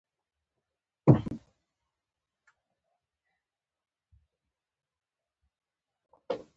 • یو عادل سړی د چا حق نه خوري.